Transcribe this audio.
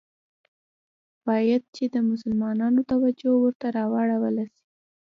باید چي د مسلمانانو توجه ورته راوړوله سي.